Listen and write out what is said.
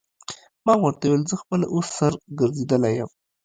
ما ورته وویل: زه خپله اوس سر ګرځېدلی یم.